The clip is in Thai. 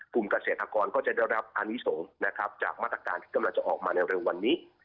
กลุ่มเกษตรกรก็จะได้รับอนิสงฆ์นะครับจากมาตรการที่กำลังจะออกมาในเร็ววันนี้